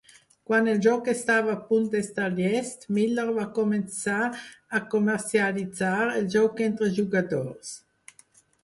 Quan el joc estava a punt d'estar llest, Miller va començar a comercialitzar el joc entre jugadors.